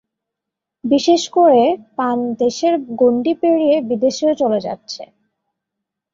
বিশেষ করে পান দেশের গণ্ডি পেরিয়ে বিদেশেও চলে যাচ্ছে।